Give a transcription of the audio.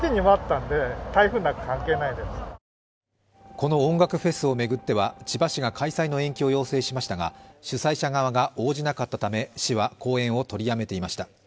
この音楽フェスを巡っては千葉市が開催の延期を要請しましたが主催者側が応じなかったため市は後援を取りやめていました。